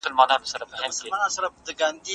په تېر وخت کي سياسي مخالفتونه ډېر سخت وو.